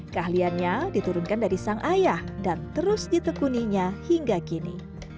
keahliannya diturunkan dari sang ayah dan terus ditekuninya hingga kini